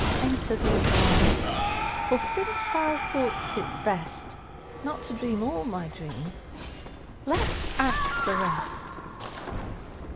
Enter these arms, for since thou thought'st it bestNot to dream all my dream, let's act the rest.